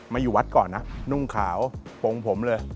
อยู่วัดก่อนนะนุ่งขาวโปรงผมเลย